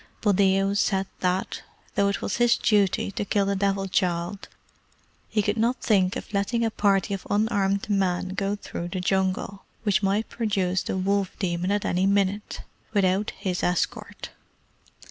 Buldeo said that, though it was his duty to kill the Devil child, he could not think of letting a party of unarmed men go through the Jungle, which might produce the Wolf demon at any minute, without his escort.